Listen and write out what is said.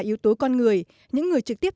yếu tố con người những người trực tiếp